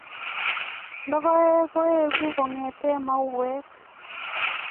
Logoek koeku kongete mauywek.